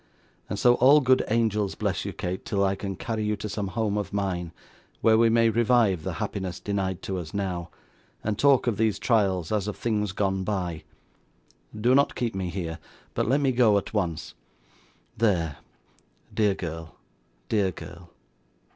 And so all good angels bless you, Kate, till I can carry you to some home of mine, where we may revive the happiness denied to us now, and talk of these trials as of things gone by. Do not keep me here, but let me go at once. There. Dear girl dear girl.